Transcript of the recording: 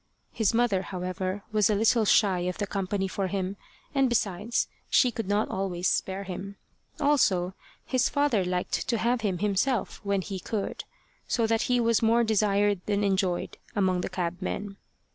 His mother, however, was a little shy of the company for him, and besides she could not always spare him. Also his father liked to have him himself when he could; so that he was more desired than enjoyed among the cabmen.